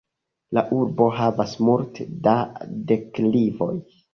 La urbo havas multe da deklivoj.